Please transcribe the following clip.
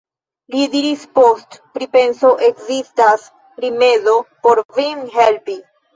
li diris post pripenso: ekzistas rimedo por vin helpi.